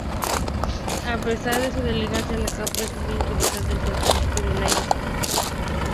A pesar de su delgadez, la capa es muy resistente e impermeable al aire.